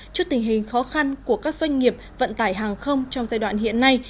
trước tình hình khó khăn của các doanh nghiệp vận tải hàng không trong giai đoạn hiện nay